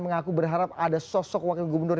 mengaku berharap ada sosok wakil gubernur